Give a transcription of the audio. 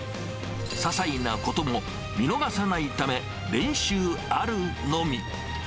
ささいなことも見逃さないため、練習あるのみ。